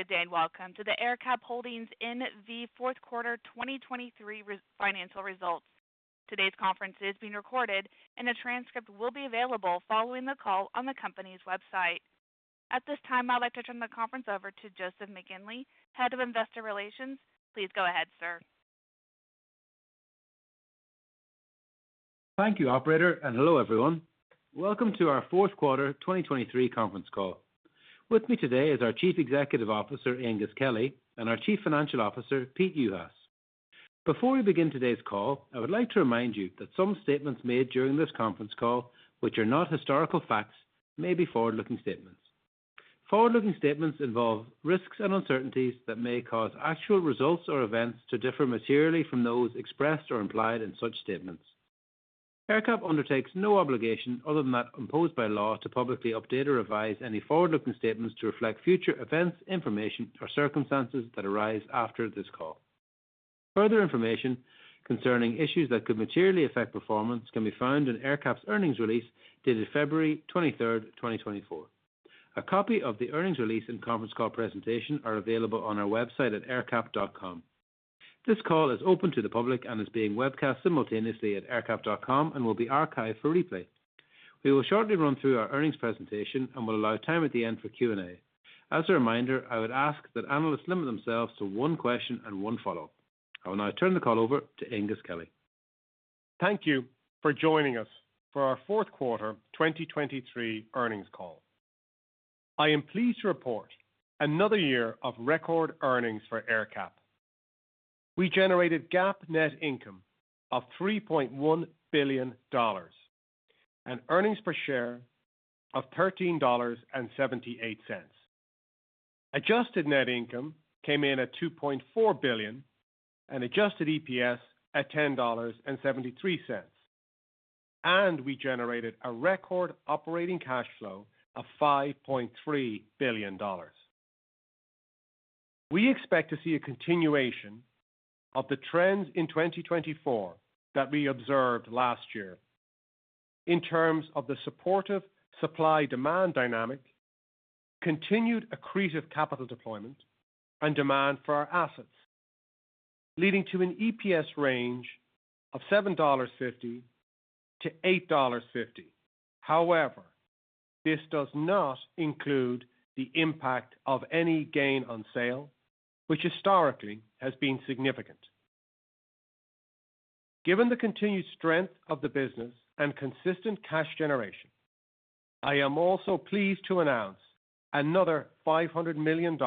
Good day, and welcome to the AerCap Holdings fourth quarter 2023 financial results. Today's conference is being recorded, and a transcript will be available following the call on the company's website. At this time, I'd like to turn the conference over to Joseph McGinley, Head of Investor Relations. Please go ahead, sir. Thank you, operator, and hello, everyone. Welcome to our fourth quarter 2023 conference call. With me today is our Chief Executive Officer, Aengus Kelly, and our Chief Financial Officer, Peter Juhas. Before we begin today's call, I would like to remind you that some statements made during this conference call, which are not historical facts, may be forward-looking statements. Forward-looking statements involve risks and uncertainties that may cause actual results or events to differ materially from those expressed or implied in such statements. AerCap undertakes no obligation, other than that imposed by law, to publicly update or revise any forward-looking statements to reflect future events, information, or circumstances that arise after this call. Further information concerning issues that could materially affect performance can be found in AerCap's earnings release dated February 23, 2024. A copy of the earnings release and conference call presentation are available on our website at aercap.com. This call is open to the public and is being webcast simultaneously at aercap.com and will be archived for replay. We will shortly run through our earnings presentation and will allow time at the end for Q&A. As a reminder, I would ask that analysts limit themselves to one question and one follow-up. I will now turn the call over to Aengus Kelly. Thank you for joining us for our fourth quarter 2023 earnings call. I am pleased to report another year of record earnings for AerCap. We generated GAAP net income of $3.1 billion and earnings per share of $13.78. Adjusted net income came in at $2.4 billion and adjusted EPS at $10.73, and we generated a record operating cash flow of $5.3 billion. We expect to see a continuation of the trends in 2024 that we observed last year in terms of the supportive supply-demand dynamic, continued accretive capital deployment, and demand for our assets, leading to an EPS range of $7.50-$8.50. However, this does not include the impact of any gain on sale, which historically has been significant. Given the continued strength of the business and consistent cash generation, I am also pleased to announce another $500 million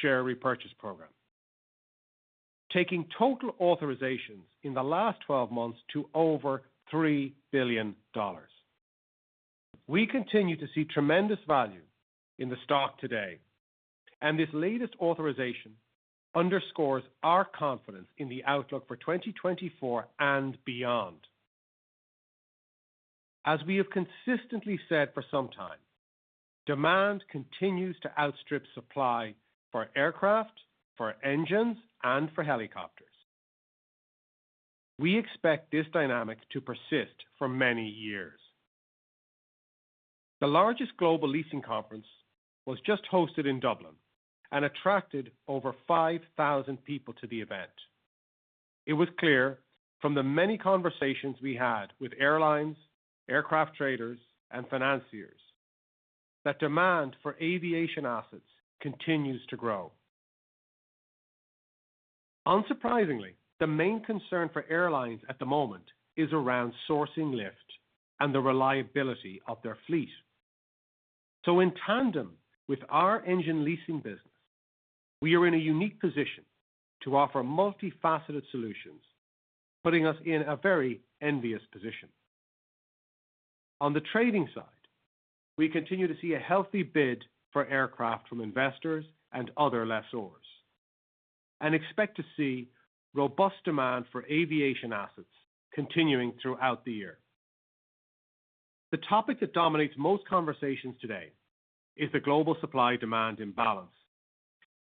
share repurchase program, taking total authorizations in the last twelve months to over $3 billion. We continue to see tremendous value in the stock today, and this latest authorization underscores our confidence in the outlook for 2024 and beyond. As we have consistently said for some time, demand continues to outstrip supply for aircraft, for engines, and for helicopters. We expect this dynamic to persist for many years. The largest global leasing conference was just hosted in Dublin and attracted over 5,000 people to the event. It was clear from the many conversations we had with airlines, aircraft traders, and financiers, that demand for aviation assets continues to grow. Unsurprisingly, the main concern for airlines at the moment is around sourcing lift and the reliability of their fleet. So in tandem with our engine leasing business, we are in a unique position to offer multifaceted solutions, putting us in a very envious position. On the trading side, we continue to see a healthy bid for aircraft from investors and other lessors and expect to see robust demand for aviation assets continuing throughout the year. The topic that dominates most conversations today is the global supply-demand imbalance,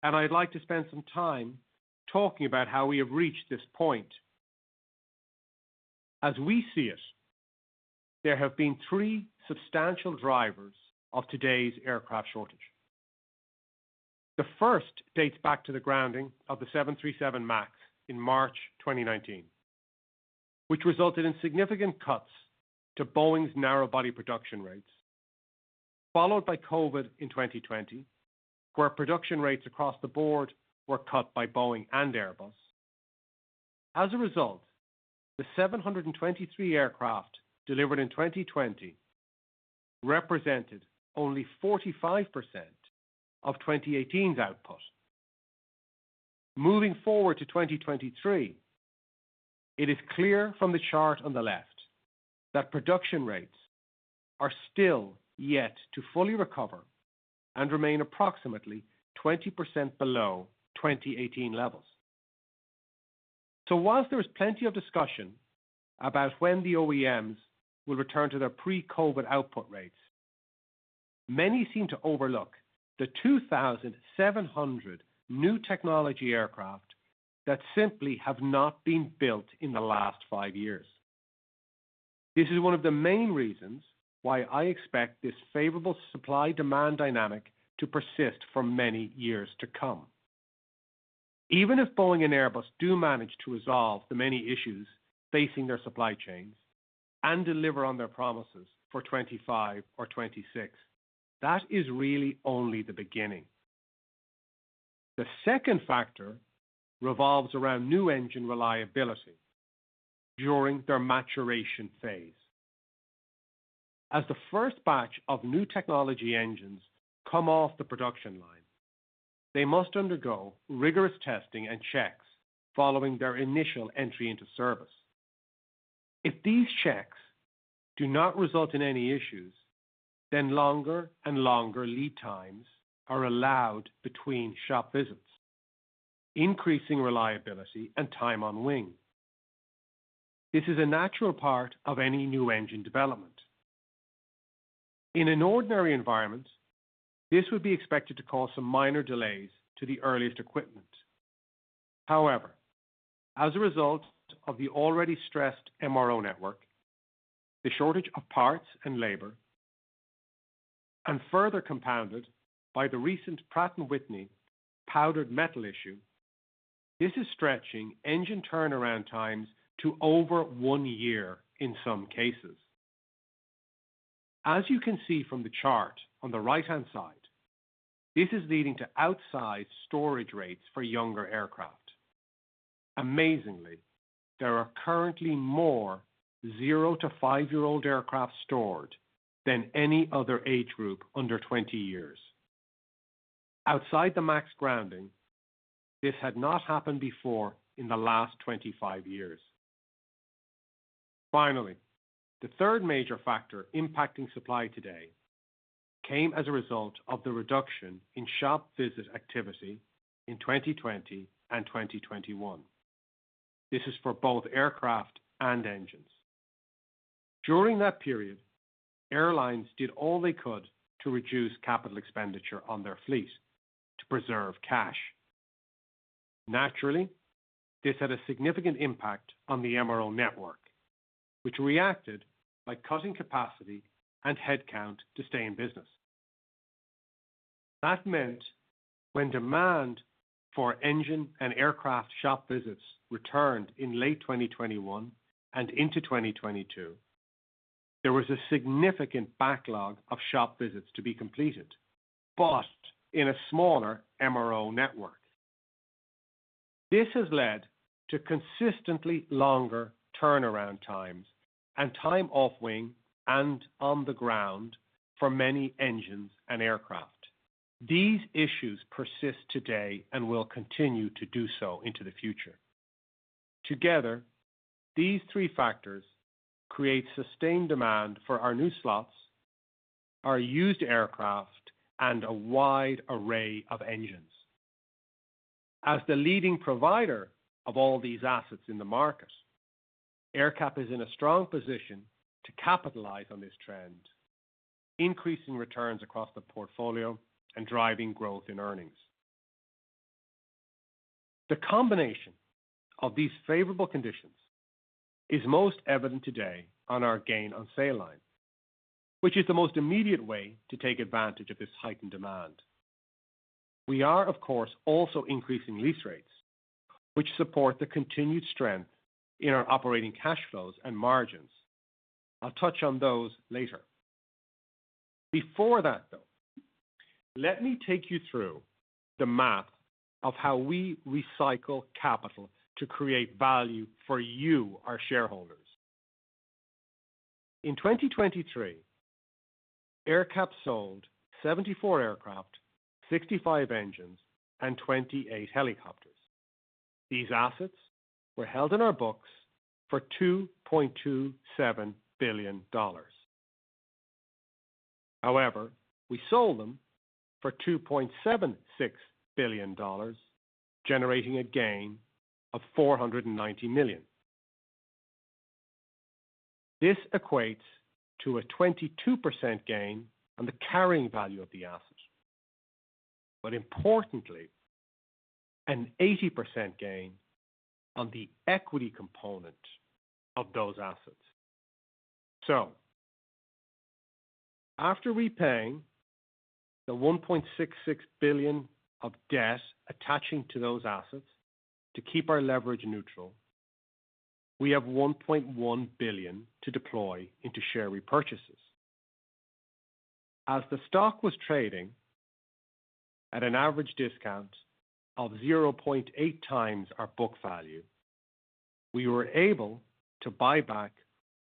and I'd like to spend some time talking about how we have reached this point. As we see it, there have been three substantial drivers of today's aircraft shortage. The first dates back to the grounding of the 737 MAX in March 2019, which resulted in significant cuts to Boeing's narrow-body production rates, followed by COVID in 2020, where production rates across the board were cut by Boeing and Airbus. As a result, the 723 aircraft delivered in 2020 represented only 45% of 2018's output. Moving forward to 2023, it is clear from the chart on the left that production rates are still yet to fully recover and remain approximately 20% below 2018 levels. So while there is plenty of discussion about when the OEMs will return to their pre-COVID output rates, many seem to overlook the 2,700 new technology aircraft that simply have not been built in the last 5 years.... This is one of the main reasons why I expect this favorable supply-demand dynamic to persist for many years to come. Even if Boeing and Airbus do manage to resolve the many issues facing their supply chains and deliver on their promises for 25 or 26, that is really only the beginning. The second factor revolves around new engine reliability during their maturation phase. As the first batch of new technology engines come off the production line, they must undergo rigorous testing and checks following their initial entry into service. If these checks do not result in any issues, then longer and longer lead times are allowed between shop visits, increasing reliability and time on wing. This is a natural part of any new engine development. In an ordinary environment, this would be expected to cause some minor delays to the earliest equipment. However, as a result of the already stressed MRO network, the shortage of parts and labor, and further compounded by the recent Pratt & Whitney powdered metal issue, this is stretching engine turnaround times to over one year in some cases. As you can see from the chart on the right-hand side, this is leading to outsized storage rates for younger aircraft. Amazingly, there are currently more zero to five year-old aircraft stored than any other age group under 20 years. Outside the MAX grounding, this had not happened before in the last 25 years. Finally, the third major factor impacting supply today came as a result of the reduction in shop visit activity in 2020 and 2021. This is for both aircraft and engines. During that period, airlines did all they could to reduce capital expenditure on their fleet to preserve cash. Naturally, this had a significant impact on the MRO network, which reacted by cutting capacity and headcount to stay in business. That meant when demand for engine and aircraft shop visits returned in late 2021 and into 2022, there was a significant backlog of shop visits to be completed, but in a smaller MRO network. This has led to consistently longer turnaround times and time off wing and on the ground for many engines and aircraft. These issues persist today and will continue to do so into the future. Together, these three factors create sustained demand for our new slots, our used aircraft, and a wide array of engines. As the leading provider of all these assets in the market, AerCap is in a strong position to capitalize on this trend, increasing returns across the portfolio and driving growth in earnings. The combination of these favorable conditions is most evident today on our gain-on-sale line, which is the most immediate way to take advantage of this heightened demand. We are, of course, also increasing lease rates, which support the continued strength in our operating cash flows and margins. I'll touch on those later. Before that, though, let me take you through the math of how we recycle capital to create value for you, our shareholders. In 2023, AerCap sold 74 aircraft, 65 engines, and 28 helicopters. These assets were held in our books for $2.27 billion. However, we sold them for $2.76 billion, generating a gain of $490 million. This equates to a 22% gain on the carrying value of the assets, but importantly, an 80% gain on the equity component of those assets. So after repaying the $1.66 billion of debt attaching to those assets to keep our leverage neutral, we have $1.1 billion to deploy into share repurchases. As the stock was trading at an average discount of 0.8x our book value, we were able to buy back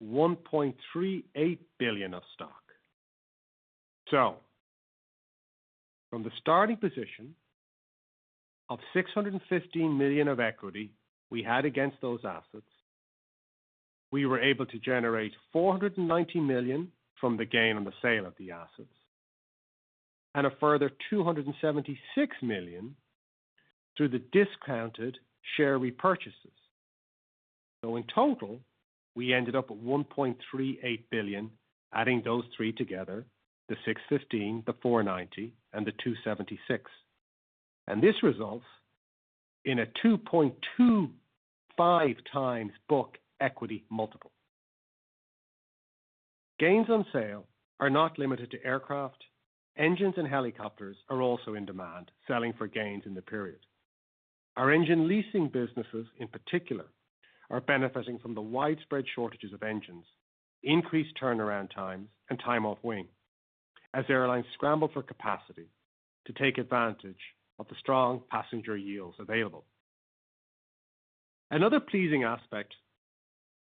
$1.38 billion of stock. So from the starting position of $615 million of equity we had against those assets, we were able to generate $490 million from the gain on the sale of the assets, and a further $276 million through the discounted share repurchases. So in total, we ended up at $1.38 billion, adding those three together, the 615, the 490, and the 276. And this results in a 2.25x book equity multiple. Gains on sale are not limited to aircraft. Engines and helicopters are also in demand, selling for gains in the period. Our engine leasing businesses, in particular, are benefiting from the widespread shortages of engines, increased turnaround times, and time off wing, as airlines scramble for capacity to take advantage of the strong passenger yields available. Another pleasing aspect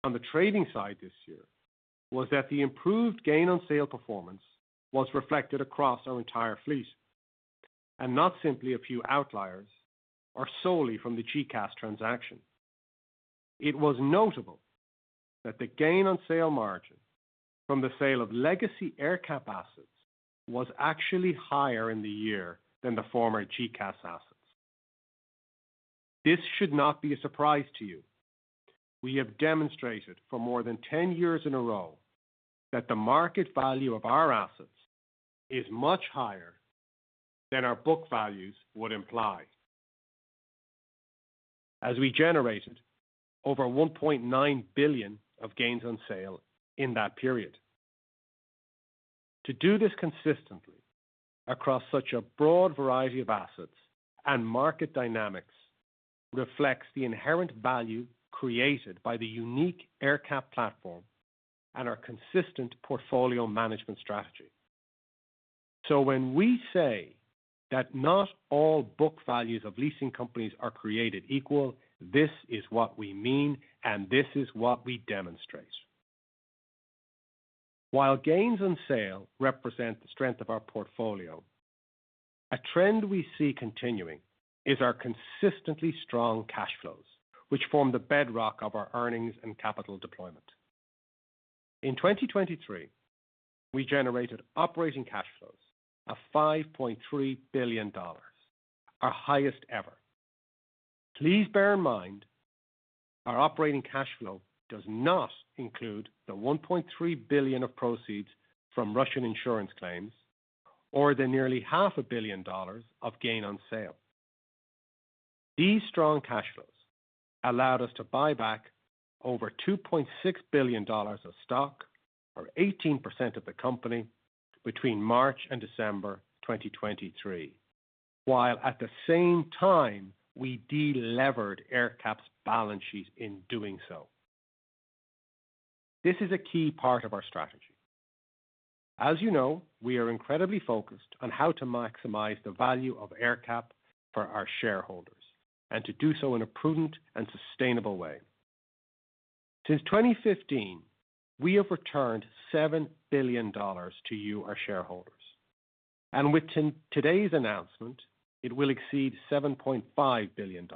on the trading side this year, was that the improved gain on sale performance was reflected across our entire fleet, and not simply a few outliers, or solely from the GECAS transaction. It was notable that the gain on sale margin from the sale of legacy AerCap assets was actually higher in the year than the former GECAS assets. This should not be a surprise to you. We have demonstrated for more than 10 years in a row, that the market value of our assets is much higher than our book values would imply. As we generated over $1.9 billion of gains on sale in that period. To do this consistently across such a broad variety of assets and market dynamics, reflects the inherent value created by the unique AerCap platform and our consistent portfolio management strategy. So when we say that not all book values of leasing companies are created equal, this is what we mean, and this is what we demonstrate. While gains on sale represent the strength of our portfolio, a trend we see continuing is our consistently strong cash flows, which form the bedrock of our earnings and capital deployment. In 2023, we generated operating cash flows of $5.3 billion, our highest ever. Please bear in mind, our operating cash flow does not include the $1.3 billion of proceeds from Russian insurance claims, or the nearly $0.5 billion of gain on sale. These strong cash flows allowed us to buy back over $2.6 billion of stock, or 18% of the company, between March and December 2023, while at the same time, we delevered AerCap's balance sheet in doing so. This is a key part of our strategy. As you know, we are incredibly focused on how to maximize the value of AerCap for our shareholders, and to do so in a prudent and sustainable way. Since 2015, we have returned $7 billion to you, our shareholders, and with today's announcement, it will exceed $7.5 billion.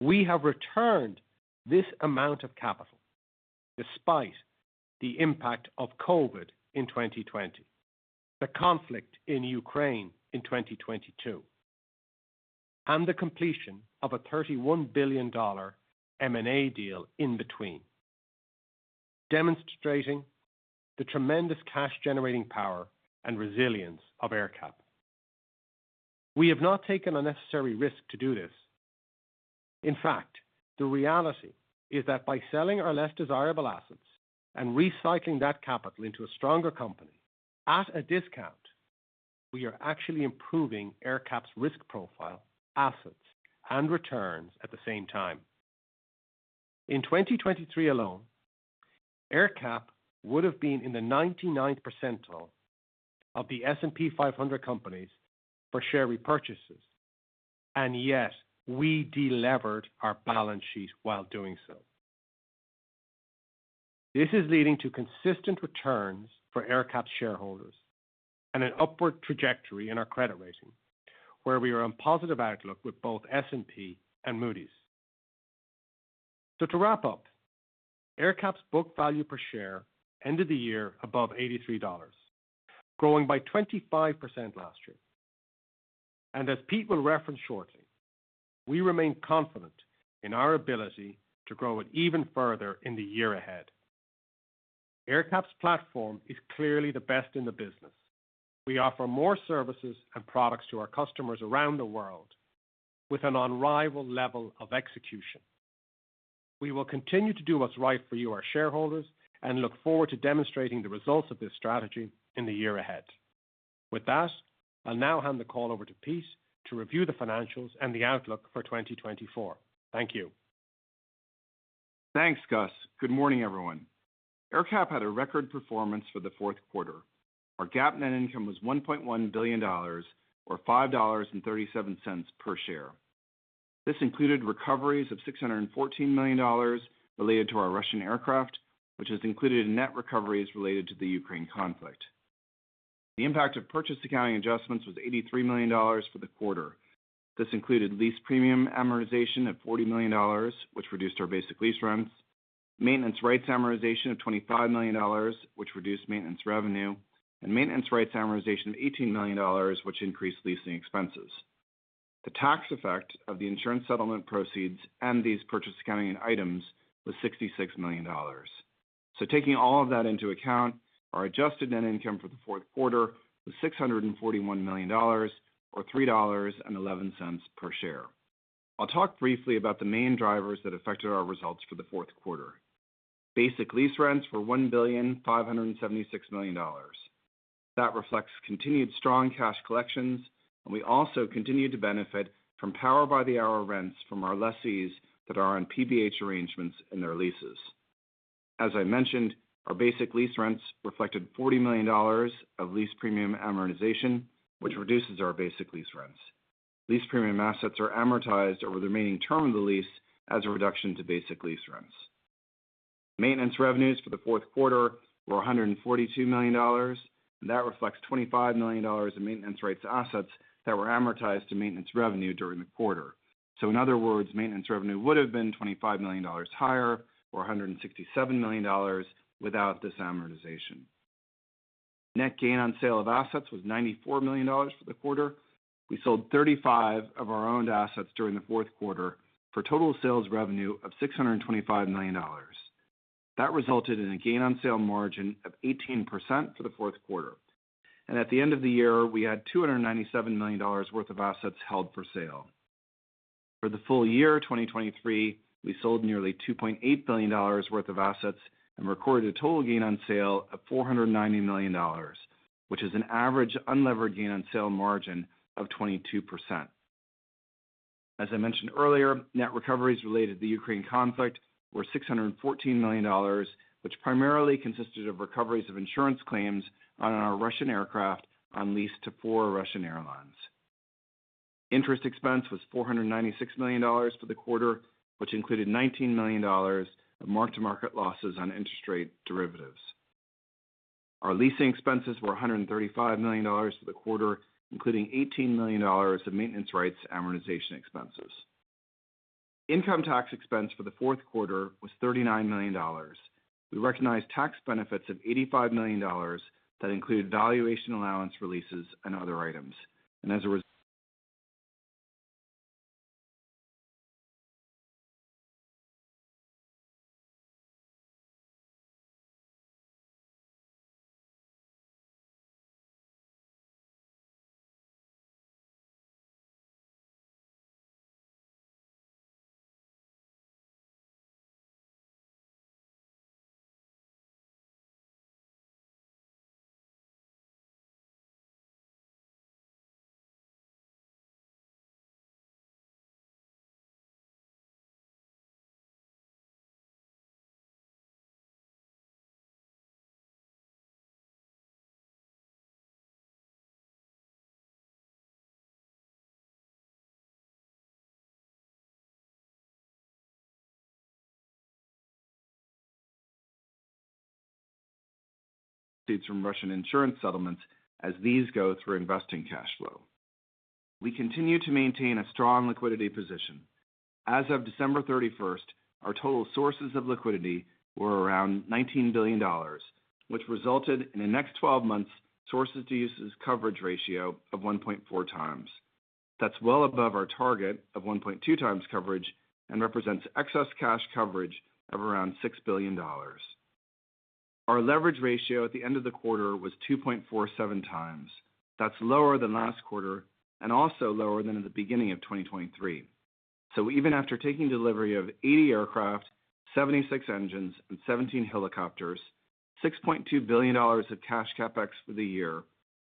We have returned this amount of capital despite the impact of COVID in 2020, the conflict in Ukraine in 2022, and the completion of a $31 billion M&A deal in between, demonstrating the tremendous cash-generating power and resilience of AerCap. We have not taken unnecessary risk to do this. In fact, the reality is that by selling our less desirable assets and recycling that capital into a stronger company at a discount, we are actually improving AerCap's risk profile, assets, and returns at the same time. In 2023 alone, AerCap would have been in the 99th percentile of the S&P 500 companies for share repurchases, and yet we de-levered our balance sheet while doing so. This is leading to consistent returns for AerCap shareholders and an upward trajectory in our credit rating, where we are on positive outlook with both S&P and Moody's. To wrap up, AerCap's book value per share ended the year above $83, growing by 25% last year. As Pete will reference shortly, we remain confident in our ability to grow it even further in the year ahead. AerCap's platform is clearly the best in the business. We offer more services and products to our customers around the world with an unrivaled level of execution. We will continue to do what's right for you, our shareholders, and look forward to demonstrating the results of this strategy in the year ahead. With that, I'll now hand the call over to Pete to review the financials and the outlook for 2024. Thank you. Thanks, Gus. Good morning, everyone. AerCap had a record performance for the fourth quarter. Our GAAP net income was $1.1 billion, or $5.37 per share. This included recoveries of $614 million related to our Russian aircraft, which is included in net recoveries related to the Ukraine conflict. The impact of purchase accounting adjustments was $83 million for the quarter. This included lease premium amortization of $40 million, which reduced our basic lease rents, maintenance rights amortization of $25 million, which reduced maintenance revenue, and maintenance rights amortization of $18 million, which increased leasing expenses. The tax effect of the insurance settlement proceeds and these purchase accounting items was $66 million. Taking all of that into account, our adjusted net income for the fourth quarter was $641 million, or $3.11 per share. I'll talk briefly about the main drivers that affected our results for the fourth quarter. Basic lease rents were $1,576 million. That reflects continued strong cash collections, and we also continued to benefit from Power by the Hour rents from our lessees that are on PBH arrangements in their leases. As I mentioned, our basic lease rents reflected $40 million of lease premium amortization, which reduces our basic lease rents. Lease premium assets are amortized over the remaining term of the lease as a reduction to basic lease rents. Maintenance revenues for the fourth quarter were $142 million, and that reflects $25 million in maintenance rights assets that were amortized to maintenance revenue during the quarter. So in other words, maintenance revenue would have been $25 million higher, or $167 million without this amortization. Net gain on sale of assets was $94 million for the quarter. We sold 35 of our owned assets during the fourth quarter for total sales revenue of $625 million. That resulted in a gain on sale margin of 18% for the fourth quarter. And at the end of the year, we had $297 million worth of assets held for sale. For the full year, 2023, we sold nearly $2.8 billion worth of assets and recorded a total gain on sale of $490 million, which is an average unlevered gain on sale margin of 22%. As I mentioned earlier, net recoveries related to the Ukraine conflict were $614 million, which primarily consisted of recoveries of insurance claims on our Russian aircraft on lease to four Russian airlines. Interest expense was $496 million for the quarter, which included $19 million of mark-to-market losses on interest rate derivatives. Our leasing expenses were $135 million for the quarter, including $18 million of maintenance rights amortization expenses. Income tax expense for the fourth quarter was $39 million. We recognized tax benefits of $85 million that included valuation allowance releases and other items. And as a result, from Russian insurance settlements as these go through investing cash flow. We continue to maintain a strong liquidity position. As of December 31, our total sources of liquidity were around $19 billion, which resulted in the next 12 months sources to uses coverage ratio of 1.4 times. That's well above our target of 1.2 times coverage and represents excess cash coverage of around $6 billion. Our leverage ratio at the end of the quarter was 2.47 times. That's lower than last quarter and also lower than at the beginning of 2023. So even after taking delivery of 80 aircraft, 76 engines, and 17 helicopters, $6.2 billion of cash CapEx for the year,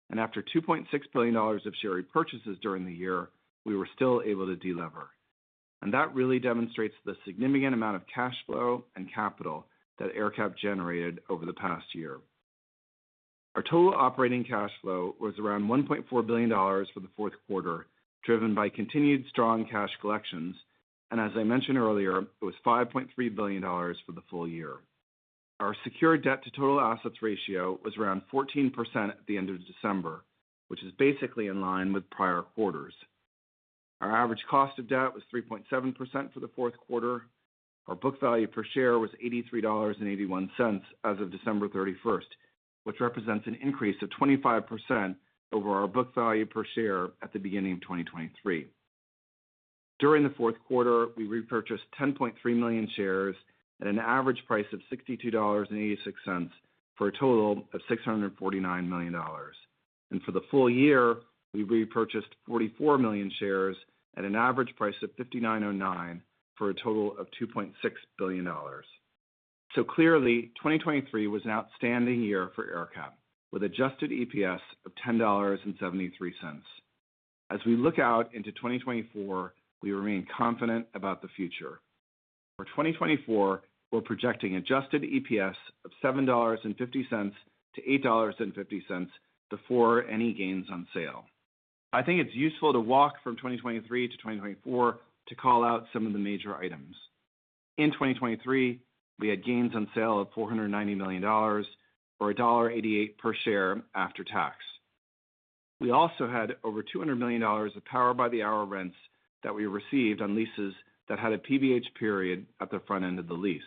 and after $2.6 billion of share repurchases during the year, we were still able to de-lever. And that really demonstrates the significant amount of cash flow and capital that AerCap generated over the past year. Our total operating cash flow was around $1.4 billion for the fourth quarter, driven by continued strong cash collections, and as I mentioned earlier, it was $5.3 billion for the full year. Our secure debt to total assets ratio was around 14% at the end of December, which is basically in line with prior quarters. Our average cost of debt was 3.7% for the fourth quarter. Our book value per share was $83.81 as of December 31, which represents an increase of 25% over our book value per share at the beginning of 2023. During the fourth quarter, we repurchased 10.3 million shares at an average price of $62.86, for a total of $649 million. And for the full year, we repurchased 44 million shares at an average price of $59.09, for a total of $2.6 billion. So clearly, 2023 was an outstanding year for AerCap, with adjusted EPS of $10.73. As we look out into 2024, we remain confident about the future. For 2024, we're projecting adjusted EPS of $7.50-$8.50 before any gains on sale. I think it's useful to walk from 2023 to 2024 to call out some of the major items. In 2023, we had gains on sale of $490 million, or $1.88 per share after tax. We also had over $200 million of Power by the Hour rents that we received on leases that had a PBH period at the front end of the lease.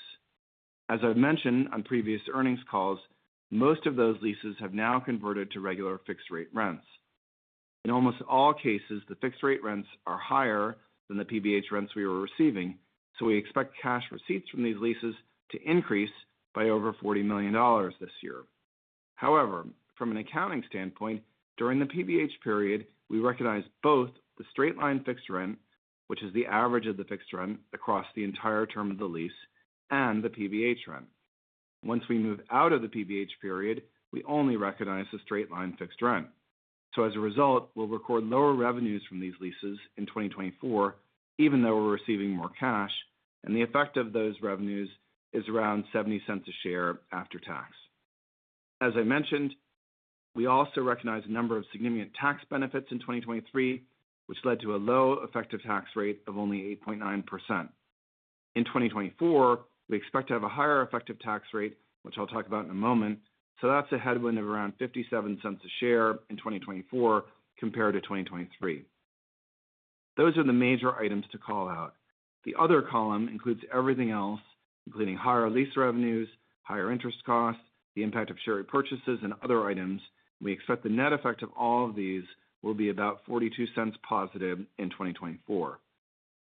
As I've mentioned on previous earnings calls, most of those leases have now converted to regular fixed rate rents. In almost all cases, the fixed rate rents are higher than the PBH rents we were receiving, so we expect cash receipts from these leases to increase by over $40 million this year. However, from an accounting standpoint, during the PBH period, we recognized both the straight-line fixed rent, which is the average of the fixed rent across the entire term of the lease, and the PBH rent. Once we move out of the PBH period, we only recognize the straight-line fixed rent. So as a result, we'll record lower revenues from these leases in 2024, even though we're receiving more cash, and the effect of those revenues is around $0.70 a share after tax. As I mentioned, we also recognized a number of significant tax benefits in 2023, which led to a low effective tax rate of only 8.9%. In 2024, we expect to have a higher effective tax rate, which I'll talk about in a moment, so that's a headwind of around $0.57 a share in 2024, compared to 2023. Those are the major items to call out. The other column includes everything else, including higher lease revenues, higher interest costs, the impact of share repurchases, and other items. We expect the net effect of all of these will be about $0.42 positive in 2024.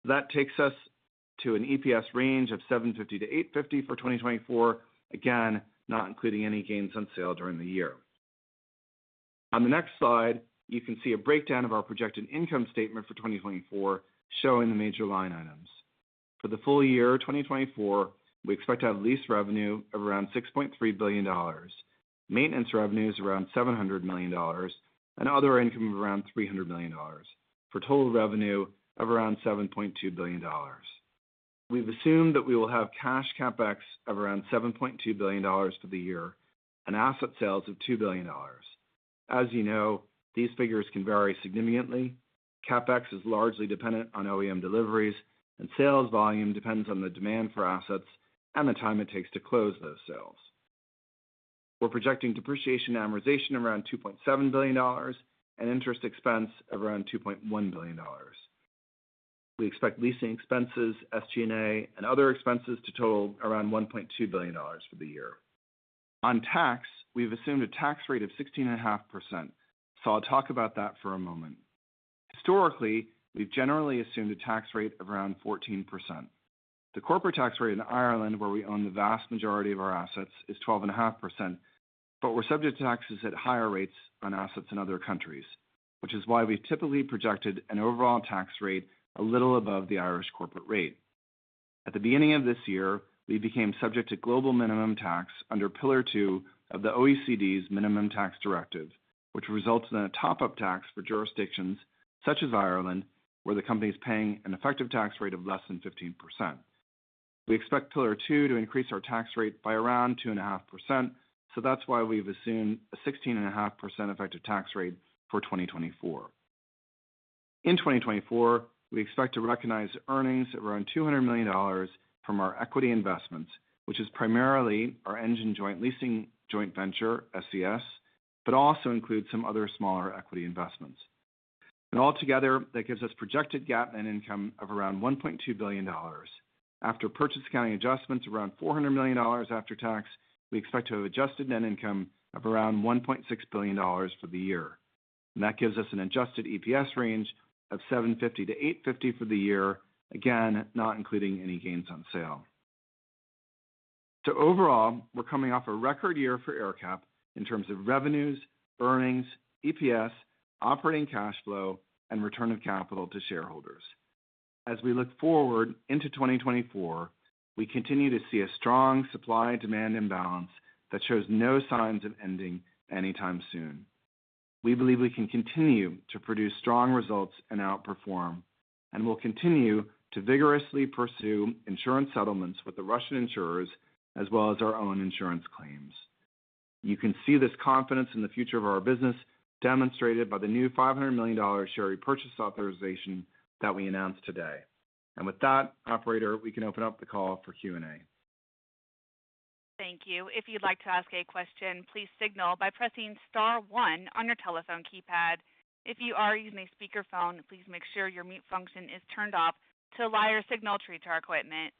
That takes us to an EPS range of $7.50-$8.50 for 2024, again, not including any gains on sale during the year. On the next slide, you can see a breakdown of our projected income statement for 2024, showing the major line items. For the full year, 2024, we expect to have lease revenue of around $6.3 billion, maintenance revenues around $700 million, and other income of around $300 million, for total revenue of around $7.2 billion. We've assumed that we will have cash CapEx of around $7.2 billion for the year, and asset sales of $2 billion. As you know, these figures can vary significantly. CapEx is largely dependent on OEM deliveries, and sales volume depends on the demand for assets and the time it takes to close those sales. We're projecting depreciation and amortization around $2.7 billion and interest expense of around $2.1 billion. We expect leasing expenses, SG&A, and other expenses to total around $1.2 billion for the year. On tax, we've assumed a tax rate of 16.5%, so I'll talk about that for a moment. Historically, we've generally assumed a tax rate of around 14%. The corporate tax rate in Ireland, where we own the vast majority of our assets, is 12.5%, but we're subject to taxes at higher rates on assets in other countries, which is why we've typically projected an overall tax rate a little above the Irish corporate rate. At the beginning of this year, we became subject to global minimum tax under Pillar Two of the OECD's Minimum Tax Directive, which results in a top-up tax for jurisdictions such as Ireland, where the company is paying an effective tax rate of less than 15%. We expect Pillar Two to increase our tax rate by around 2.5%, so that's why we've assumed a 16.5% effective tax rate for 2024. In 2024, we expect to recognize earnings around $200 million from our equity investments, which is primarily our engine joint leasing joint venture SES, but also includes some other smaller equity investments. Altogether, that gives us projected GAAP net income of around $1.2 billion. After purchase accounting adjustments, around $400 million after tax, we expect to have adjusted net income of around $1.6 billion for the year. That gives us an adjusted EPS range of 7.50-8.50 for the year, again, not including any gains on sale. So overall, we're coming off a record year for AerCap in terms of revenues, earnings, EPS, operating cash flow, and return of capital to shareholders. As we look forward into 2024, we continue to see a strong supply-demand imbalance that shows no signs of ending anytime soon. We believe we can continue to produce strong results and outperform, and we'll continue to vigorously pursue insurance settlements with the Russian insurers, as well as our own insurance claims. You can see this confidence in the future of our business, demonstrated by the new $500 million share repurchase authorization that we announced today. And with that, operator, we can open up the call for Q&A. Thank you. If you'd like to ask a question, please signal by pressing star one on your telephone keypad. If you are using a speakerphone, please make sure your mute function is turned off to allow your signal through to our equipment.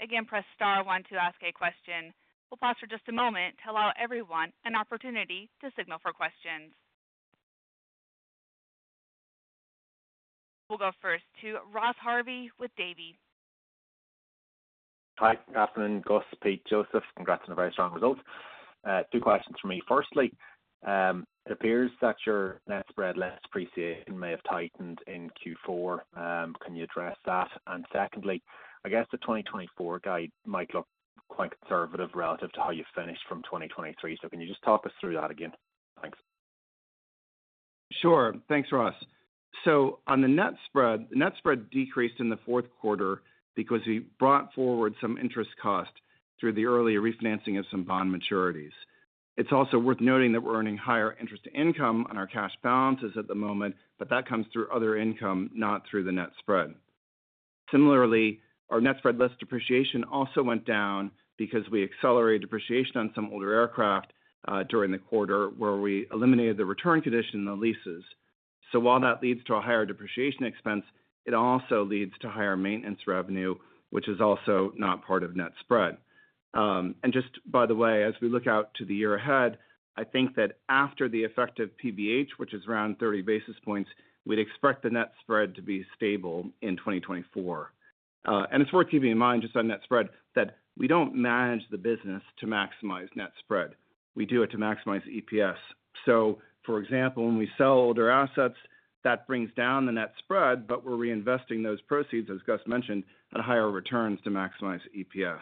Again, press star one to ask a question. We'll pause for just a moment to allow everyone an opportunity to signal for questions. We'll go first to Ross Harvey with Davy. Hi, good afternoon, Gus, Pete, Joseph. Congrats on a very strong result. Two questions for me. Firstly, it appears that your net spread less depreciation may have tightened in Q4. Can you address that? And secondly, I guess the 2024 guide might look quite conservative relative to how you finished from 2023. So can you just talk us through that again? Thanks. Sure. Thanks, Ross. So on the net spread, the net spread decreased in the fourth quarter because we brought forward some interest costs through the earlier refinancing of some bond maturities. It's also worth noting that we're earning higher interest income on our cash balances at the moment, but that comes through other income, not through the net spread. Similarly, our net spread less depreciation also went down because we accelerated depreciation on some older aircraft during the quarter, where we eliminated the return condition on the leases. So while that leads to a higher depreciation expense, it also leads to higher maintenance revenue, which is also not part of net spread. And just by the way, as we look out to the year ahead, I think that after the effective PBH, which is around 30 basis points, we'd expect the net spread to be stable in 2024. And it's worth keeping in mind, just on net spread, that we don't manage the business to maximize net spread. We do it to maximize EPS. So for example, when we sell older assets, that brings down the net spread, but we're reinvesting those proceeds, as Gus mentioned, at higher returns to maximize EPS.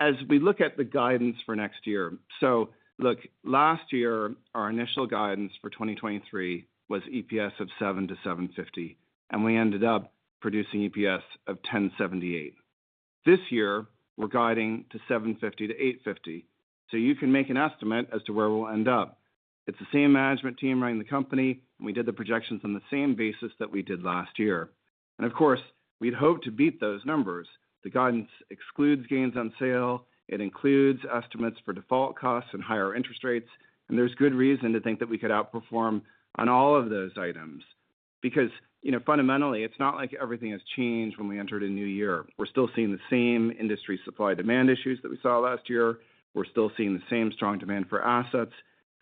As we look at the guidance for next year, so look, last year, our initial guidance for 2023 was EPS of $7-$7.50, and we ended up producing EPS of $10.78. This year, we're guiding to $7.50-$8.50, so you can make an estimate as to where we'll end up. It's the same management team running the company, and we did the projections on the same basis that we did last year. Of course, we'd hope to beat those numbers. The guidance excludes gains on sale, it includes estimates for default costs and higher interest rates, and there's good reason to think that we could outperform on all of those items. Because, you know, fundamentally, it's not like everything has changed when we entered a new year. We're still seeing the same industry supply demand issues that we saw last year. We're still seeing the same strong demand for assets,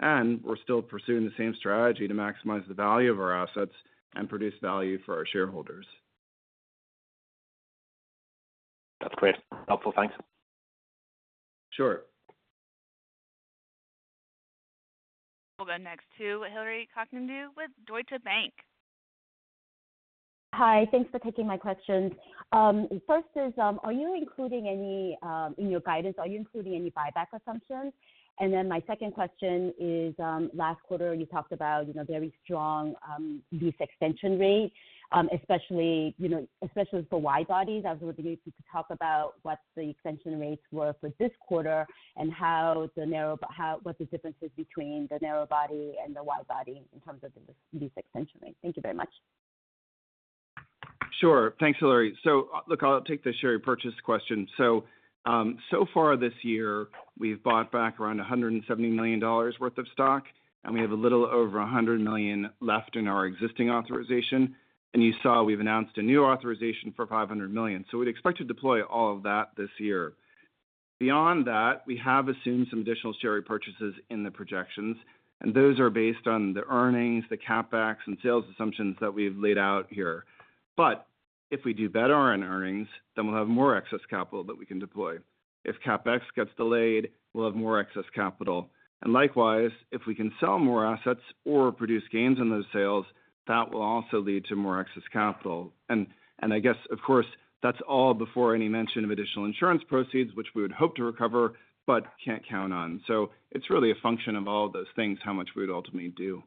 and we're still pursuing the same strategy to maximize the value of our assets and produce value for our shareholders. That's great. Helpful, thanks. Sure. We'll go next to Hillary Cacanando with Deutsche Bank. Hi, thanks for taking my questions. First is, are you including any, in your guidance, are you including any buyback assumptions? And then my second question is, last quarter, you talked about, you know, very strong, lease extension rate, especially, you know, especially for wide-bodies. I was wondering if you could talk about what the extension rates were for this quarter and what the difference is between the narrow body and the wide body in terms of the lease extension rate. Thank you very much. Sure. Thanks, Hillary. So, look, I'll take the share purchase question. So, so far this year, we've bought back around $170 million worth of stock, and we have a little over $100 million left in our existing authorization. And you saw, we've announced a new authorization for $500 million. So we'd expect to deploy all of that this year. Beyond that, we have assumed some additional share purchases in the projections, and those are based on the earnings, the CapEx, and sales assumptions that we've laid out here. But if we do better on earnings, then we'll have more excess capital that we can deploy. If CapEx gets delayed, we'll have more excess capital. And likewise, if we can sell more assets or produce gains on those sales, that will also lead to more excess capital. And I guess, of course, that's all before any mention of additional insurance proceeds, which we would hope to recover but can't count on. So it's really a function of all those things, how much we'd ultimately do.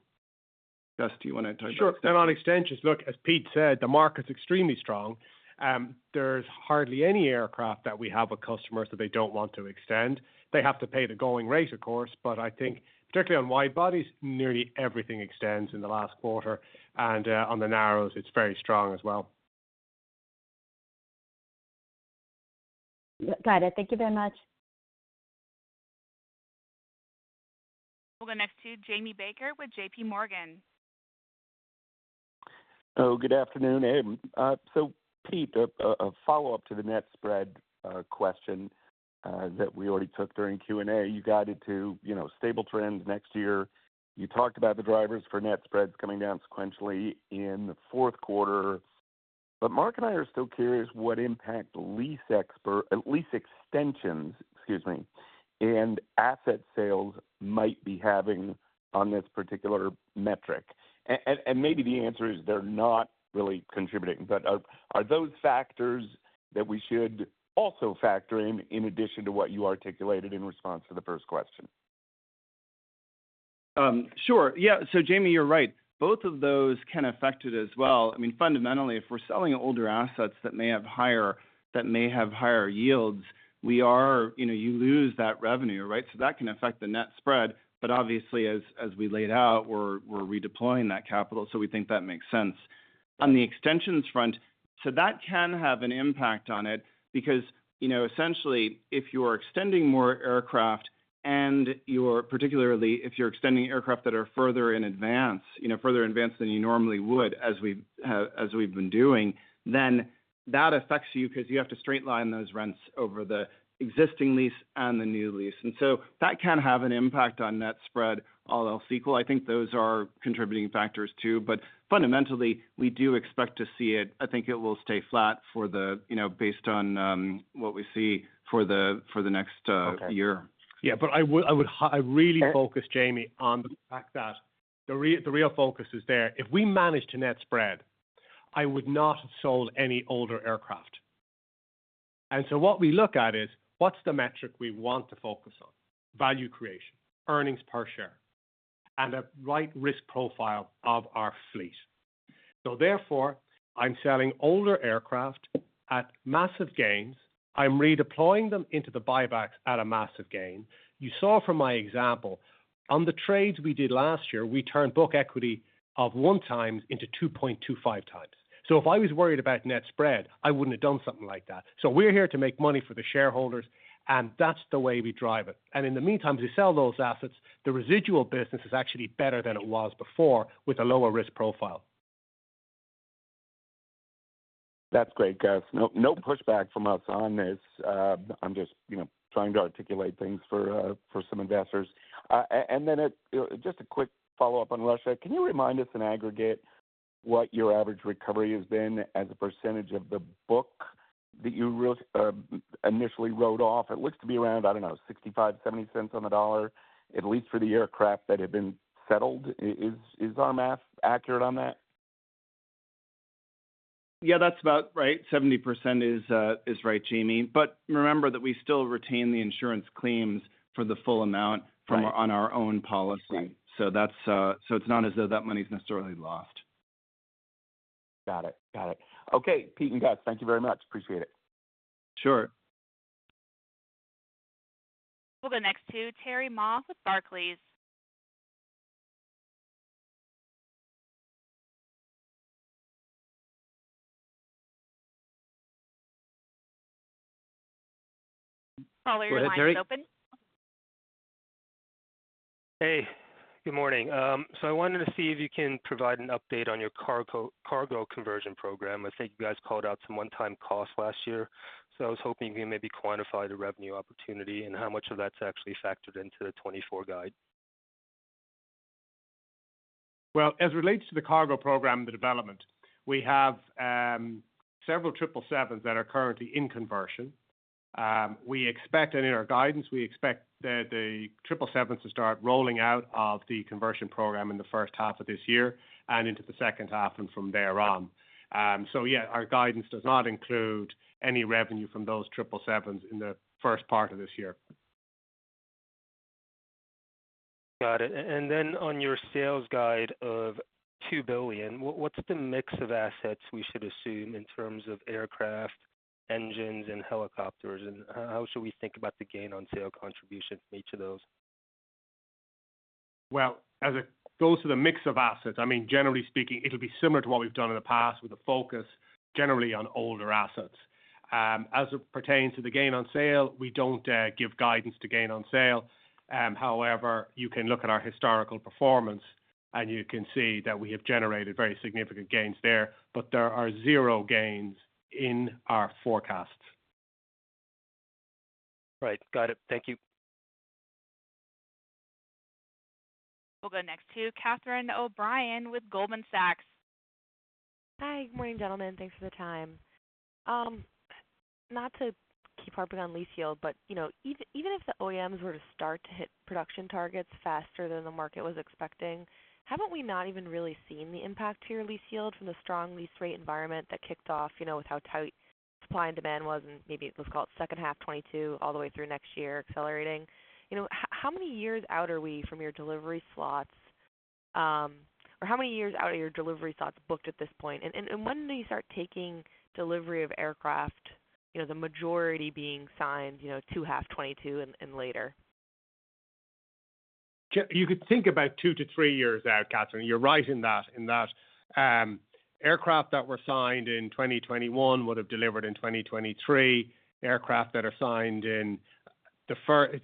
Gus, do you want to touch on- Sure. On extensions, look, as Pete said, the market's extremely strong. There's hardly any aircraft that we have with customers that they don't want to extend. They have to pay the going rate, of course, but I think particularly on wide-bodies, nearly everything extends in the last quarter, and on the narrows, it's very strong as well. Got it. Thank you very much. We'll go next to Jamie Baker with J.P. Morgan. Oh, good afternoon. So Pete, a follow-up to the net spread question that we already took during Q&A. You guided to, you know, stable trends next year. You talked about the drivers for net spreads coming down sequentially in the fourth quarter. But Mark and I are still curious what impact lease extensions, excuse me, and asset sales might be having on this particular metric. And maybe the answer is they're not really contributing, but are those factors that we should also factor in, in addition to what you articulated in response to the first question? Sure. Yeah, so Jamie, you're right. Both of those can affect it as well. I mean, fundamentally, if we're selling older assets that may have higher, that may have higher yields, we are... You know, you lose that revenue, right? So that can affect the net spread, but obviously as, as we laid out, we're, we're redeploying that capital, so we think that makes sense. On the extensions front, so that can have an impact on it because, you know, essentially, if you are extending more aircraft and you're, particularly, if you're extending aircraft that are further in advance, you know, further advanced than you normally would, as we've, as we've been doing, then that affects you because you have to straight-line those rents over the existing lease and the new lease. And so that can have an impact on net spread, all else equal. I think those are contributing factors, too. But fundamentally, we do expect to see it. I think it will stay flat for the, you know, based on what we see for the next year. Okay. Yeah, but I would really focus, Jamie, on the fact that the real focus is there. If we managed to net spread, I would not have sold any older aircraft. And so what we look at is, what's the metric we want to focus on? Value creation, earnings per share, and a right risk profile of our fleet. So therefore, I'm selling older aircraft at massive gains. I'm redeploying them into the buybacks at a massive gain. You saw from my example, on the trades we did last year, we turned book equity of 1x into 2.25x. So if I was worried about net spread, I wouldn't have done something like that. So we're here to make money for the shareholders, and that's the way we drive it. In the meantime, as we sell those assets, the residual business is actually better than it was before, with a lower risk profile. That's great, Gus. No, no pushback from us on this. I'm just, you know, trying to articulate things for some investors. And then, just a quick follow-up on Russia. Can you remind us, in aggregate, what your average recovery has been as a percentage of the book? That you really initially wrote off, it looks to be around, I don't know, 65-70 cents on the dollar, at least for the aircraft that have been settled. Is our math accurate on that? Yeah, that's about right. 70% is right, Jamie. But remember that we still retain the insurance claims for the full amount from on our own policy. Right. So it's not as though that money's necessarily lost. Got it. Got it. Okay, Pete and Gus, thank you very much. Appreciate it. Sure. We'll go next to Terry Ma with Barclays. Your line is open. Go ahead, Terry. Hey, good morning. So, I wanted to see if you can provide an update on your cargo conversion program. I think you guys called out some one-time costs last year, so I was hoping you may be quantify the revenue opportunity and how much of that's actually factored into the 2024 guide. Well, as it relates to the cargo program, the development, we have several 777s that are currently in conversion. We expect, and in our guidance, we expect the, the 777s to start rolling out of the conversion program in the first half of this year and into the second half and from there on. So yeah, our guidance does not include any revenue from those 777s in the first part of this year. Got it. And then on your sales guide of $2 billion, what's the mix of assets we should assume in terms of aircraft, engines, and helicopters? And how should we think about the gain on sale contribution from each of those? Well, as it goes to the mix of assets, I mean, generally speaking, it'll be similar to what we've done in the past, with a focus generally on older assets. As it pertains to the gain on sale, we don't give guidance to gain on sale. However, you can look at our historical performance, and you can see that we have generated very significant gains there, but there are zero gains in our forecasts. Right. Got it. Thank you. We'll go next to Catherine O'Brien with Goldman Sachs. Hi, good morning, gentlemen. Thanks for the time. Not to keep harping on lease yield, but, you know, even, even if the OEMs were to start to hit production targets faster than the market was expecting, haven't we not even really seen the impact to your lease yield from the strong lease rate environment that kicked off, you know, with how tight supply and demand was, and maybe it was called second half 2022, all the way through next year, accelerating? You know, how many years out are we from your delivery slots, or how many years out are your delivery slots booked at this point? And, and, and when do you start taking delivery of aircraft, you know, the majority being signed, you know, second half 2022 and, and later? You could think about two to three years out, Catherine. You're right in that, in that, aircraft that were signed in 2021 would have delivered in 2023. Aircraft that are signed in the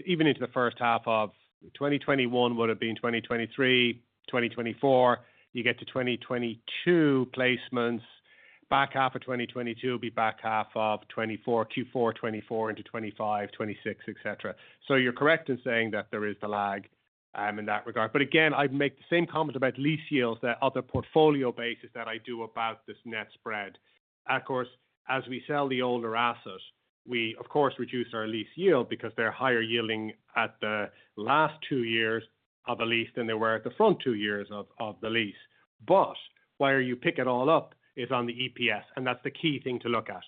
even into the first half of 2021, would have been 2023, 2024. You get to 2022 placements, back half of 2022 will be back half of 2024, Q4 2024 into 2025, 2026, etc. So you're correct in saying that there is the lag, in that regard. But again, I'd make the same comment about lease yields, that other portfolio basis that I do about this net spread. Of course, as we sell the older assets, we, of course, reduce our lease yield because they're higher yielding at the last two years of the lease than they were at the front two years of the lease. But where you pick it all up is on the EPS, and that's the key thing to look at.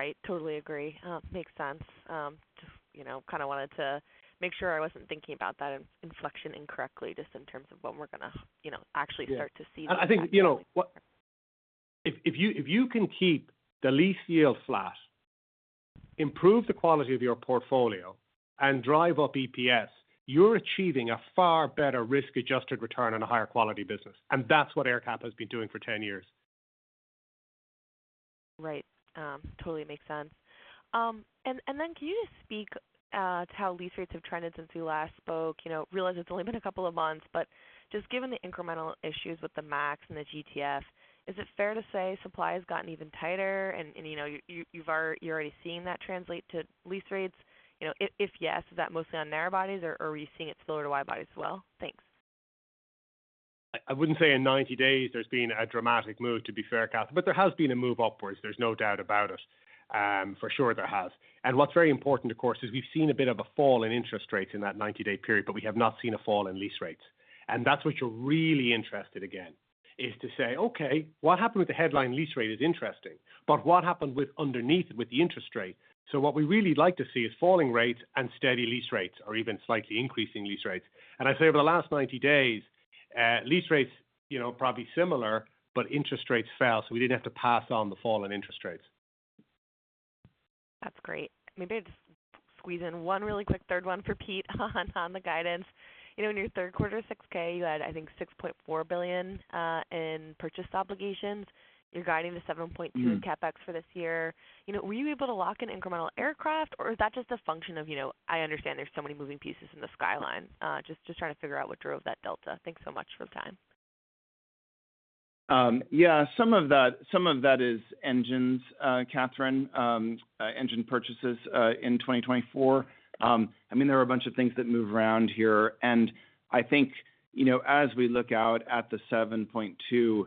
Right. Totally agree. Makes sense. Just, you know, kind of wanted to make sure I wasn't thinking about that inflection incorrectly, just in terms of when we're gonna, you know, actually start to see - I think, you know, if you can keep the lease yield flat, improve the quality of your portfolio, and drive up EPS, you're achieving a far better risk-adjusted return on a higher quality business, and that's what AerCap has been doing for 10 years. Right. Totally makes sense. And then can you just speak to how lease rates have trended since we last spoke? You know, realize it's only been a couple of months, but just given the incremental issues with the MAX and the GTF, is it fair to say supply has gotten even tighter and you know, you're already seeing that translate to lease rates? You know, if yes, is that mostly on narrow bodies, or are you seeing it spill to wide bodies as well? Thanks. I wouldn't say in 90 days there's been a dramatic move, to be fair, Catherine, but there has been a move upwards, there's no doubt about it. For sure there has. And what's very important, of course, is we've seen a bit of a fall in interest rates in that 90-day period, but we have not seen a fall in lease rates. And that's what you're really interested again, is to say, "Okay, what happened with the headline lease rate is interesting, but what happened with underneath, with the interest rate?" So what we really like to see is falling rates and steady lease rates, or even slightly increasing lease rates. And I'd say over the last 90 days, lease rates, you know, probably similar, but interest rates fell, so we didn't have to pass on the fall in interest rates. That's great. Maybe I'd squeeze in one really quick third one for Pete on the guidance. You know, in your third quarter 6-K, you had, I think, $6.4 billion in purchase obligations. You're guiding to $7.2- Mm-hmm. in CapEx for this year. You know, were you able to lock in incremental aircraft, or is that just a function of, you know, I understand there's so many moving pieces in the skyline. Just trying to figure out what drove that delta. Thanks so much for the time. Yeah, some of that, some of that is engines, Catherine, engine purchases in 2024. I mean, there are a bunch of things that move around here, and I think, you know, as we look out at the $7.2,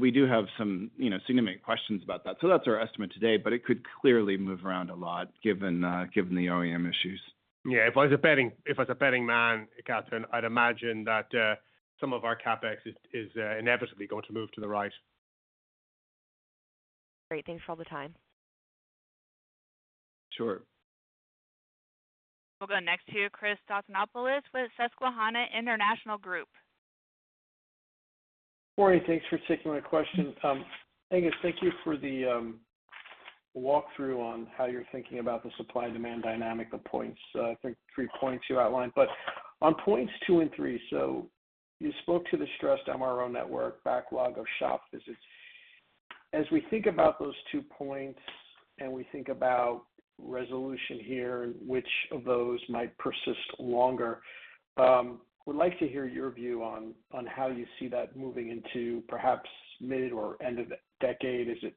we do have some, you know, significant questions about that. So that's our estimate today, but it could clearly move around a lot, given the OEM issues. Yeah, if I was a betting man, Catherine, I'd imagine that some of our CapEx is inevitably going to move to the right. Great. Thanks for all the time. Sure. We'll go next to Chris Stathopoulos with Susquehanna Financial Group. Morning. Thanks for taking my question. Aengus, thank you for the walkthrough on how you're thinking about the supply-demand dynamic, the points, I think 3 points you outlined. But on points 2 and 3, so you spoke to the stressed MRO network backlog of shop visits. As we think about those two points, and we think about resolution here, and which of those might persist longer, would like to hear your view on how you see that moving into perhaps mid or end of the decade. Is it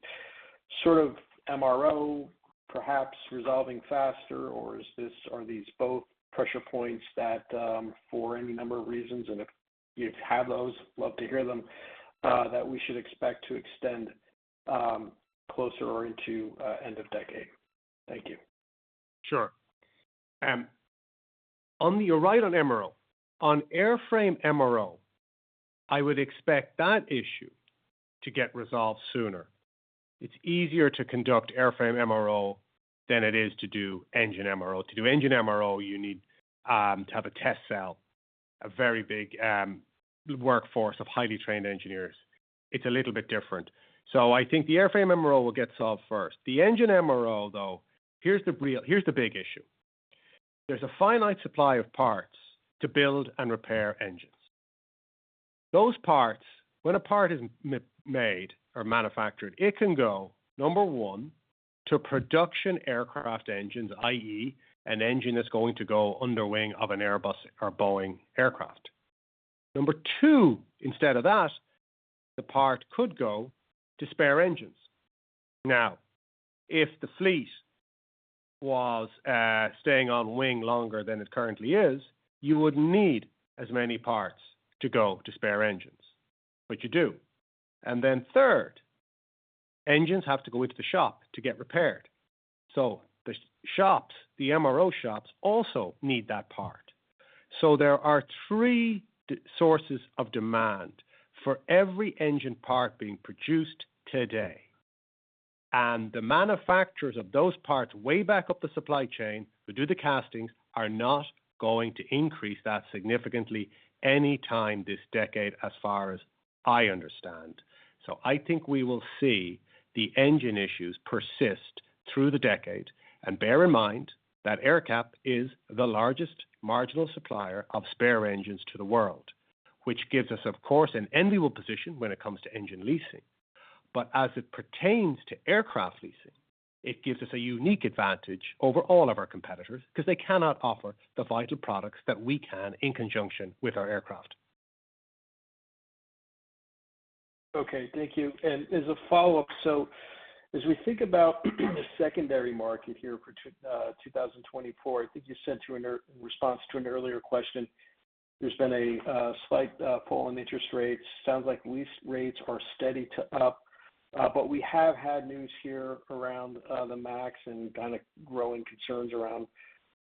sort of MRO perhaps resolving faster? Or is this- are these both pressure points that, for any number of reasons, and if you have those, love to hear them, that we should expect to extend closer into end of decade? Thank you. Sure. You're right on MRO. On airframe MRO, I would expect that issue to get resolved sooner. It's easier to conduct airframe MRO than it is to do engine MRO. To do engine MRO, you need to have a test cell, a very big workforce of highly trained engineers. It's a little bit different. So I think the airframe MRO will get solved first. The engine MRO, though, here's the big issue: There's a finite supply of parts to build and repair engines. Those parts, when a part is made or manufactured, it can go, number one, to production aircraft engines, i.e., an engine that's going to go under wing of an Airbus or Boeing aircraft. Number two, instead of that, the part could go to spare engines. Now, if the fleet was staying on wing longer than it currently is, you wouldn't need as many parts to go to spare engines, but you do. And then third, engines have to go into the shop to get repaired. So the shops, the MRO shops, also need that part. So there are three sources of demand for every engine part being produced today. And the manufacturers of those parts, way back up the supply chain, who do the castings, are not going to increase that significantly any time this decade, as far as I understand. So I think we will see the engine issues persist through the decade. And bear in mind that AerCap is the largest marginal supplier of spare engines to the world, which gives us, of course, an enviable position when it comes to engine leasing. As it pertains to aircraft leasing, it gives us a unique advantage over all of our competitors, because they cannot offer the vital products that we can in conjunction with our aircraft. Okay, thank you. As a follow-up, so as we think about the secondary market here for 2024, I think you said in response to an earlier question, there's been a slight fall in interest rates. Sounds like lease rates are steady to up, but we have had news here around the Max and kind of growing concerns around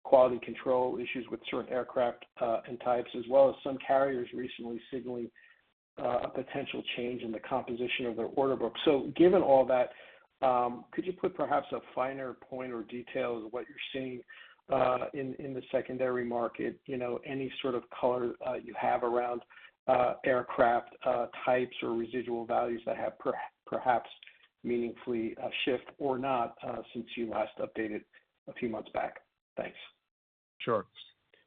quality control issues with certain aircraft and types, as well as some carriers recently signaling a potential change in the composition of their order book. So given all that, could you put perhaps a finer point or detail of what you're seeing in the secondary market? You know, any sort of color you have around aircraft types or residual values that have perhaps meaningfully shift or not since you last updated a few months back? Thanks. Sure.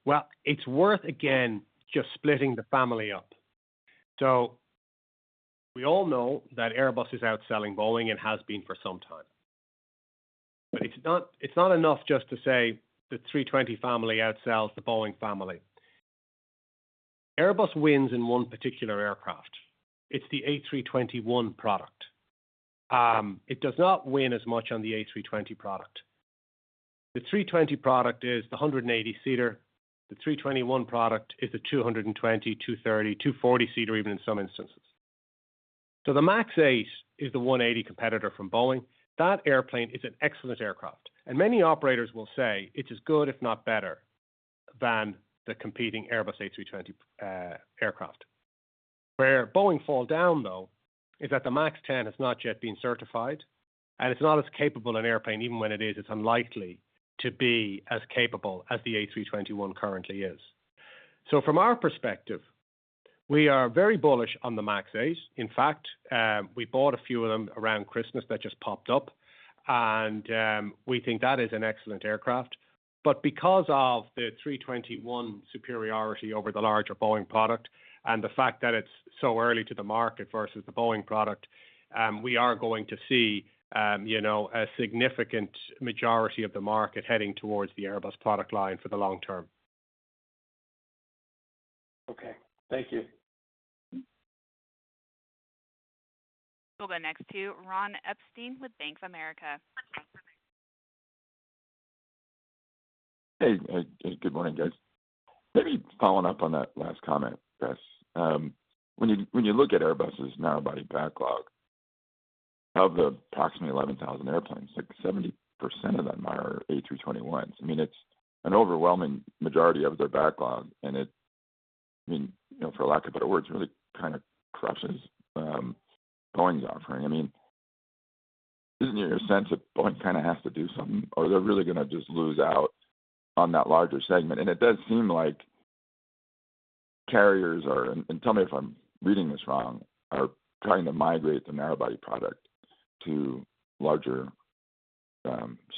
Well, it's worth, again, just splitting the family up. So we all know that Airbus is outselling Boeing and has been for some time. But it's not, it's not enough just to say the A320 family outsells the Boeing family. Airbus wins in one particular aircraft. It's the A321 product. It does not win as much on the A320 product. The A320 product is the 180-seater. The A321 product is a 220-, 230-, 240-seater, even in some instances. So the MAX 8 is the 180 competitor from Boeing. That airplane is an excellent aircraft, and many operators will say it's as good, if not better, than the competing Airbus A320 aircraft. Where Boeing fall down, though, is that the MAX 10 has not yet been certified, and it's not as capable an airplane. Even when it is, it's unlikely to be as capable as the A321 currently is. So from our perspective, we are very bullish on the MAX 8. In fact, we bought a few of them around Christmas that just popped up, and we think that is an excellent aircraft. But because of the 321 superiority over the larger Boeing product and the fact that it's so early to the market versus the Boeing product, we are going to see, you know, a significant majority of the market heading towards the Airbus product line for the long term. Okay, thank you. We'll go next to Ron Epstein with Bank of America. Hey, good morning, guys. Maybe following up on that last comment, Chris. When you look at Airbus' narrowbody backlog of the approximately 11,000 airplanes, like 70% of them are A321s. I mean, it's an overwhelming majority of their backlog, and it, I mean, you know, for lack of better words, really kind of crushes Boeing's offering. I mean, isn't your sense that Boeing kind of has to do something, or they're really gonna just lose out on that larger segment? And it does seem like carriers are, and tell me if I'm reading this wrong, are trying to migrate the narrowbody product to larger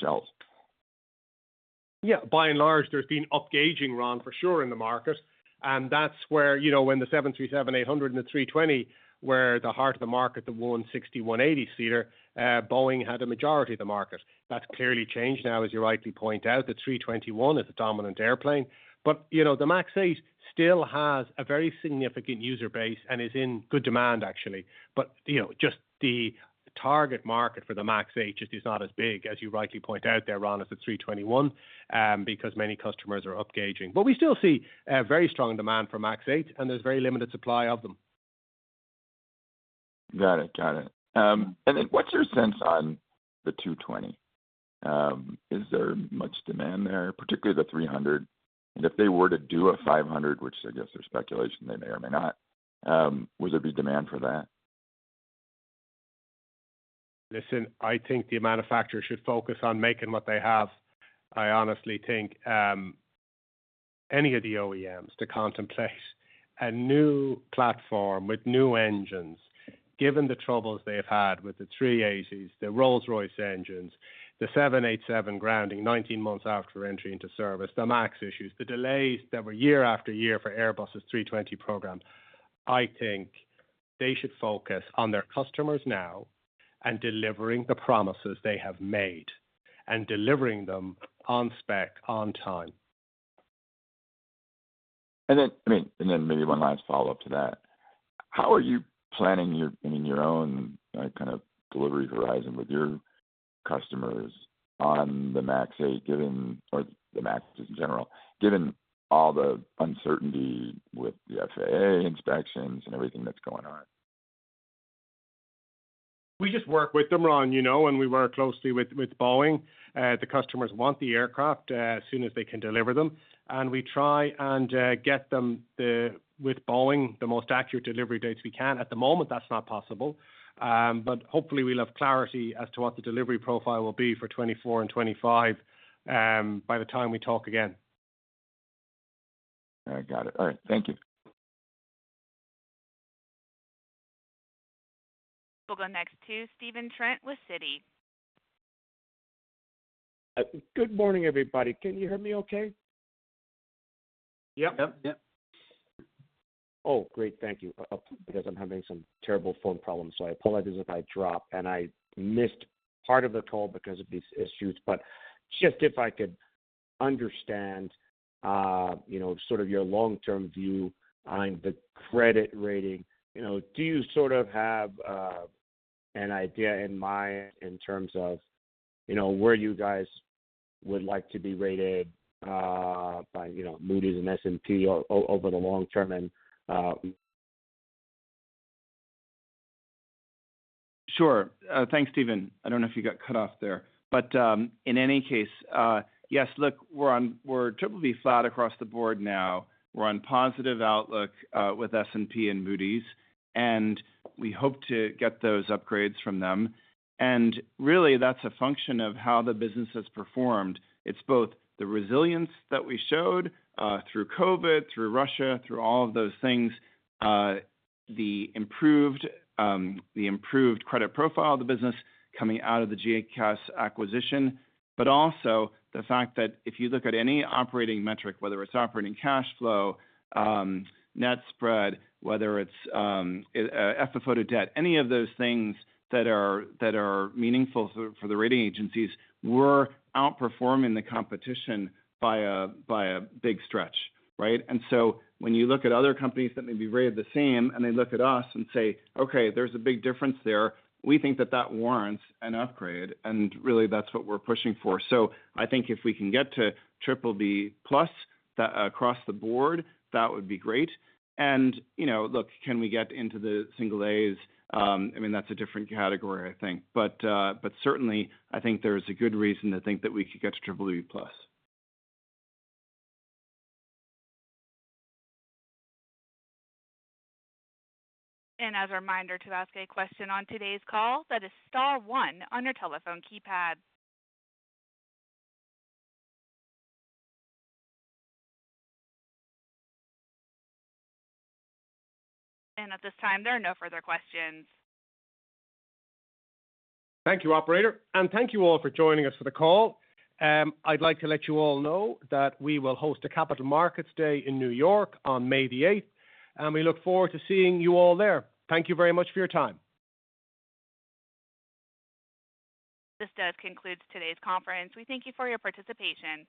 shelves. Yeah, by and large, there's been upgauging, Ron, for sure, in the market. And that's where, you know, when the 737-800 and the A320 were the heart of the market, the 160-, 180-seater, Boeing had a majority of the market. That's clearly changed now, as you rightly point out. The A321 is the dominant airplane. But, you know, the MAX 8 still has a very significant user base and is in good demand, actually. But, you know, just the target market for the MAX 8 just is not as big as you rightly point out there, Ron, as the A321, because many customers are upgauging. But we still see very strong demand for MAX 8, and there's very limited supply of them. Got it. Got it. And then what's your sense on the 220? Is there much demand there, particularly the 300? And if they were to do a 500, which I guess is speculation, they may or may not, would there be demand for that? Listen, I think the manufacturer should focus on making what they have. I honestly think any of the OEMs to contemplate a new platform with new engines, given the troubles they've had with the A380s, the Rolls-Royce engines, the 787 grounding 19 months after entry into service, the MAX issues, the delays that were year after year for Airbus' A320 program. I think they should focus on their customers now and delivering the promises they have made and delivering them on spec, on time. And then, I mean, and then maybe one last follow-up to that. How are you planning your, I mean, your own, kind of delivery horizon with your customers on the MAX 8, given or the MAX just in general, given all the uncertainty with the FAA inspections and everything that's going on? We just work with them, Ron, you know, and we work closely with Boeing. The customers want the aircraft as soon as they can deliver them, and we try and get them the, with Boeing, the most accurate delivery dates we can. At the moment, that's not possible. But hopefully we'll have clarity as to what the delivery profile will be for 2024 and 2025 by the time we talk again. I got it. All right. Thank you. We'll go next to Stephen Trent with Citi. Good morning, everybody. Can you hear me okay? Yep. Yep, yep. Oh, great. Thank you. Because I'm having some terrible phone problems, so I apologize if I drop, and I missed part of the call because of these issues. But just if I could understand, you know, sort of your long-term view on the credit rating. You know, do you sort of have an idea in mind in terms of, you know, where you guys would like to be rated by, you know, Moody's and S&P over the long term and uh - Sure. Thanks, Stephen. I don't know if you got cut off there, but in any case, yes, look, we're BBB flat across the board now. We're on positive outlook with S&P and Moody's, and we hope to get those upgrades from them. And really, that's a function of how the business has performed. It's both the resilience that we showed through COVID, through Russia, through all of those things, the improved, the improved credit profile of the business coming out of the GECAS acquisition. But also the fact that if you look at any operating metric, whether it's operating cash flow, net spread, whether it's FFO to debt, any of those things that are meaningful for the rating agencies, we're outperforming the competition by a big stretch, right? And so when you look at other companies that may be rated the same, and they look at us and say, "Okay, there's a big difference there," we think that that warrants an upgrade, and really, that's what we're pushing for. So I think if we can get to BBB plus, that, across the board, that would be great. And, you know, look, can we get into the single As? I mean, that's a different category, I think. But certainly, I think there is a good reason to think that we could get to BBB plus. As a reminder, to ask a question on today's call, that is star one on your telephone keypad. At this time, there are no further questions. Thank you, operator, and thank you all for joining us for the call. I'd like to let you all know that we will host a Capital Markets Day in New York on May 8th, and we look forward to seeing you all there. Thank you very much for your time. This does conclude today's conference. We thank you for your participation.